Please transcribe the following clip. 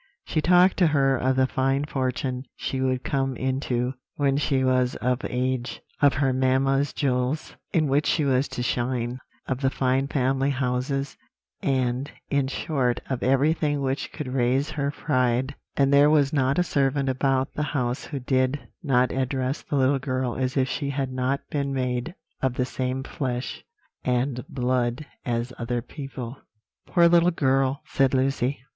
She talked to her of the fine fortune she would come into when she was of age; of her mamma's jewels, in which she was to shine; of the fine family houses; and, in short, of everything which could raise her pride; and there was not a servant about the house who did not address the little girl as if she had not been made of the same flesh and blood as other people." "Poor little girl!" said Lucy.